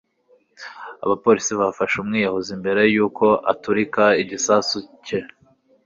abapolisi bafashe umwiyahuzi mbere yuko aturika igisasu cye